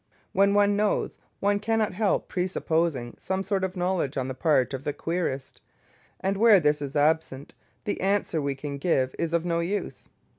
When one knows, one cannot help presupposing some sort of knowledge on the part of the querist, and where this is absent the answer we can give is of no use.